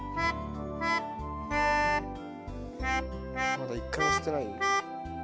まだ一回も吸ってないよ。